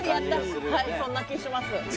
はいそんな気します。